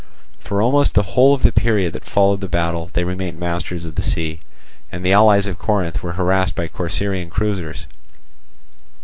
For almost the whole of the period that followed the battle they remained masters of the sea, and the allies of Corinth were harassed by Corcyraean cruisers.